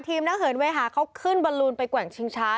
ทีมนักเหินเวทียร์เค้าขึ้นบรวลุนไปกุ่งชิงช้า